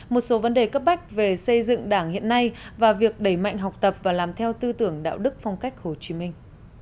một số vấn đề cấp bách về xây dựng đảng hiện nay và việc đẩy mạnh học tập và làm theo tư tưởng đạo đức phong cách hồ chí minh